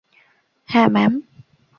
হ্যাঁ, ম্যাম।